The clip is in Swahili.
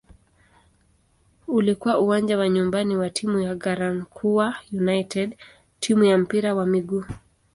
Ulikuwa uwanja wa nyumbani wa timu ya "Garankuwa United" timu ya mpira wa miguu.